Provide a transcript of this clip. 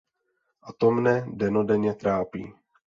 A to mne dennodenně trápí.